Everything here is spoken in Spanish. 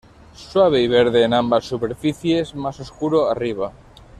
Suave y verde en ambas superficies, más oscuro arriba.